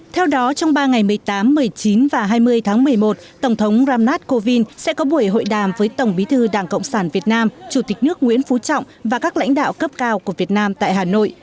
theo đó trong ba ngày một mươi tám một mươi chín và hai mươi tháng một mươi một tổng thống ramnath kovind sẽ có buổi hội đàm với tổng bí thư đảng cộng sản việt nam chủ tịch nước nguyễn phú trọng và các lãnh đạo cấp cao của việt nam tại hà nội